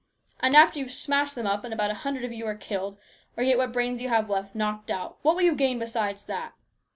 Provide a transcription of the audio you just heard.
And after you've smashed them up and about a hundred of you are killed, or get what few brains you have left knocked out, what will you gain besides that